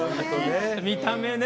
見た目ね。